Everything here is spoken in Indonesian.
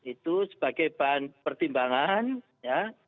itu sebagai bahan pertimbangan ya